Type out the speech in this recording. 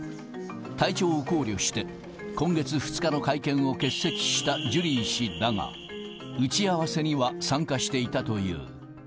体調を考慮して、今月２日の会見を欠席したジュリー氏だが、打ち合わせには参加していたという。